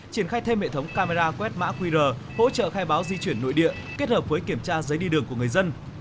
triển khai thêm hệ thống camera quét mã qr hỗ trợ khai báo di chuyển nội địa kết hợp với kiểm tra giấy đi đường của người dân